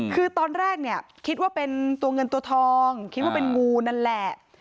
คือตอนแรกเนี่ยคิดว่าเป็นตัวเงินตัวทองคิดว่าเป็นงูนั่นแหละ